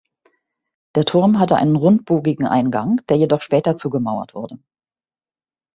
Der Turm hatte einen rundbogigen Eingang, der jedoch später zugemauert wurde.